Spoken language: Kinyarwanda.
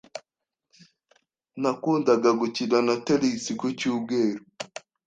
Nakundaga gukina na tennis ku cyumweru.